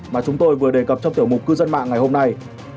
mà chúng tôi vừa đề cập trong tiểu mục cư dân mạng ngày hôm nay